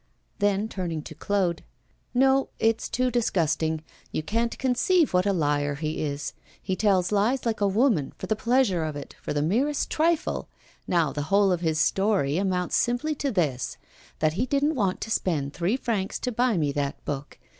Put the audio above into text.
Then, turning to Claude, 'No, it's too disgusting. You can't conceive what a liar he is. He tells lies like a woman, for the pleasure of it, for the merest trifle. Now, the whole of his story amounts simply to this: that he didn't want to spend three francs to buy me that book.